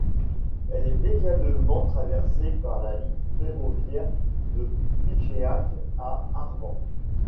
Elle est également traversée par la ligne ferroviaire de Figeac à Arvant.